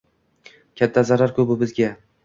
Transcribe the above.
Katta zarar-ku bu sizga